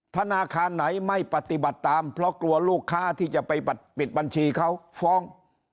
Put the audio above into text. ธนาคารไหนไม่ปฏิบัติตามเพราะกลัวลูกค้าที่จะไปปิดบัญชีเขาฟ้อง